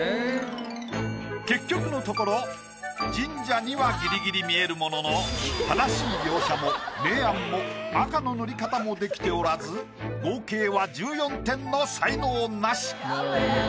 結局のところ神社にはギリギリ見えるものの正しい描写も明暗も赤の塗り方もできておらず合計は１４点の才能ナシ。